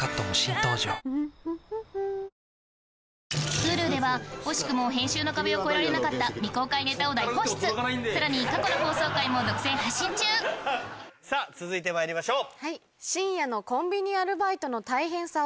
Ｈｕｌｕでは惜しくも編集の壁を越えられなかった未公開ネタを大放出さらに過去の放送回も独占配信中さぁ続いてまいりましょう。